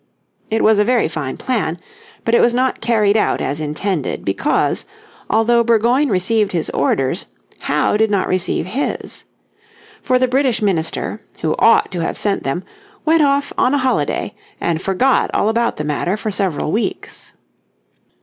It was a very fine plan, but it was not carried out as intended because, although Burgoyne received his orders, Howe did not receive his. For the British minister, who ought to have sent them, went off on a holiday and forgot all about the matter for several weeks.